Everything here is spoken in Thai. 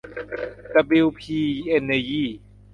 ดับบลิวพี เอ็นเนอร์ยี่